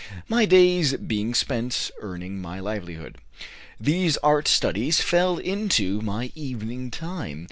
My days being spent earning my livelihood, these art studies fell into my evening time.